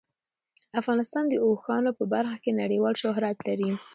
افغانستان د اوښانو په برخه کې نړیوال شهرت لري.